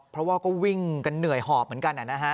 เพราะว่าก็วิ่งกันเหนื่อยหอบเหมือนกันนะฮะ